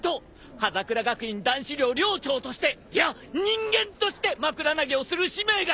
葉櫻学院男子寮寮長としていや人間として枕投げをする使命が！